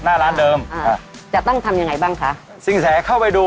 จะตั้งทำยังไงบ้างค่ะ